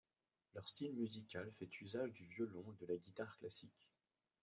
Leur style musical fait usage du violon et de la guitare classique.